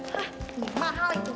hah ini mahal itu